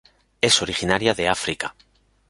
Es Originaria de África.